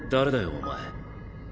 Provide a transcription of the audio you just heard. お前。